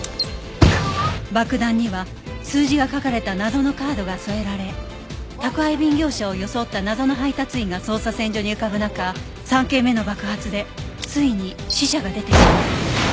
爆弾には数字が書かれた謎のカードが添えられ宅配便業者を装った謎の配達員が捜査線上に浮かぶ中３件目の爆発でついに死者が出てしまう